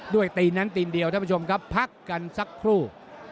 ตีนนั้นตีนเดียวท่านผู้ชมครับพักกันสักครู่